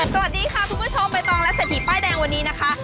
สวัสดีค่ะคุณผู้ชมใบตองและเศรษฐีป้ายแดงวันนี้นะคะ